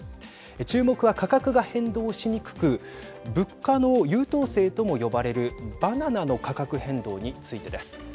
注目は価格が変動しにくく物価の優等生とも呼ばれるバナナの価格変動についてです。